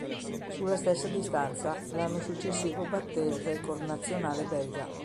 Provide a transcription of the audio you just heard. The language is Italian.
Sulla stessa distanza, l'anno successivo batté il record nazionale belga.